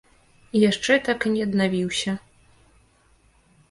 Яшчэ так і не аднавіўся.